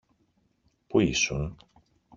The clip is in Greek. Πού ήσουν;